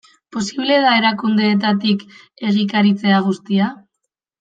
Posible da erakundeetatik egikaritzea guztia?